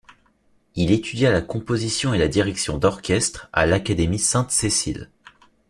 Il étudia la composition et la direction d'orchestre à l’Académie Sainte-Cécile.